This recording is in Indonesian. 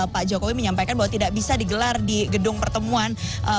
pak jokowi menyampaikan bahwa tidak bisa digelar di gedung pertemuan